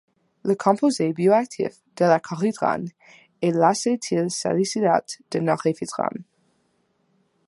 Le composé bioactif de la corydrane est l'acétylsalycilate de noréphédrane.